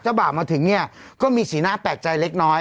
บ่ามาถึงเนี่ยก็มีสีหน้าแปลกใจเล็กน้อย